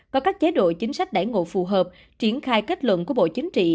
có các chế độ chính sách đẩy ngộ phù hợp triển khai kết luận của bộ chính trị